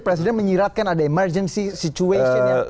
presiden menyiratkan ada emergency situation ya